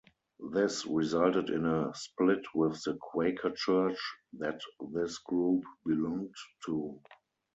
This resulted in a split with the Quaker church that this group belonged to.